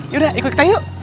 yaudah ikut kita yuk